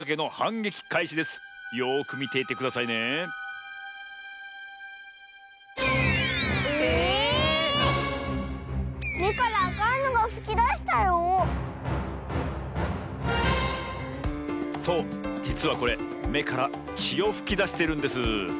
じつはこれめからちをふきだしてるんです。